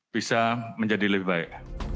bisa menjadi lebih baik